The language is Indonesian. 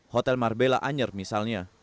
hotel marbella anyer misalnya